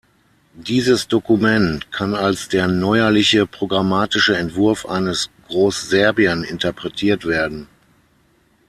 Dieses Dokument kann als der neuerliche programmatische Entwurf eines Großserbien interpretiert werden.